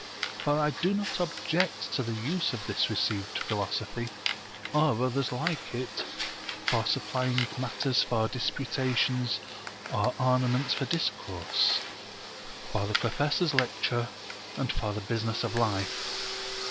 For I do not object to the use of this received philosophy, or others like it, for supplying matter for disputations or ornaments for discourse, for the professor's lecture and for the business of life.